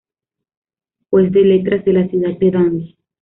Juez de Letras de la ciudad de Danlí.